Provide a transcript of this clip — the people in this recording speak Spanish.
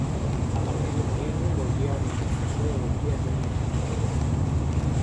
A partir de noviembre volvió a emitirse sólo los días domingo.